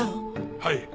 はい。